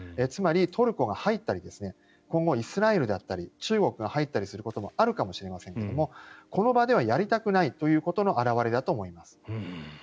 つまり、トルコが入ったり今後、イスラエルだったり中国が入ったりすることもあるかもしれませんがこの場ではやりたくないということの表れだと思います。